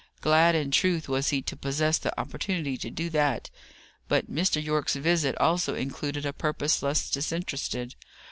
Glad, in truth, was he to possess the opportunity to do that; but Mr. Yorke's visit also included a purpose less disinterested.